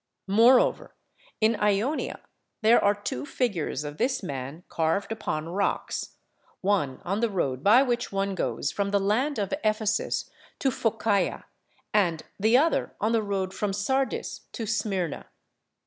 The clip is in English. Moreover in Ionia there are two figures of this man carved upon rocks, one on the road by which one goes from the land of Ephesos to Phocaia, and the other on the road from Sardis to Smyrna.